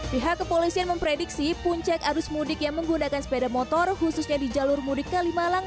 pihak kepolisian memprediksi puncak arus mudik yang menggunakan sepeda motor khususnya di jalur mudik kalimalang